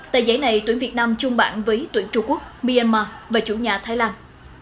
tại giấy này tuyển việt nam chung bản với tuyển trung quốc myanmar và chủ nhà thái lan